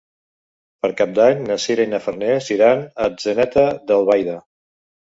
Per Cap d'Any na Sira i na Farners iran a Atzeneta d'Albaida.